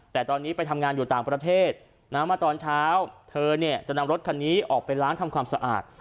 แต่ตอนนี้ไปทำงานอยู่ต่างประเทศมาตอนเช้าเธอเนี่ยจะนำรถคันนี้ออกไปล้างทำความสะอาด